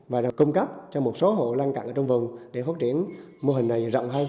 và cung cấp cho một số hộ lăn cặn trong vùng để phát triển mô hình này rộng hơn